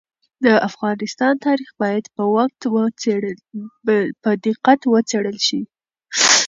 د افغانستان تاریخ باید په دقت وڅېړل سي.